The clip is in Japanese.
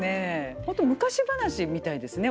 ホント昔話みたいですね。